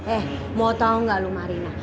eh mau tau gak lo marina